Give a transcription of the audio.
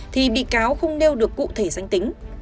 thì bị cáo không nêu được cụ thể danh tính